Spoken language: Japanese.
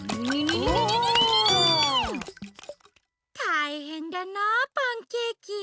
たいへんだなあパンケーキ。